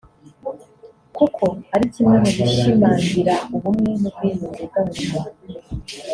kuko ari kimwe mu bishimangira ubumwe n’ubwiyunge bw’abanyarwanda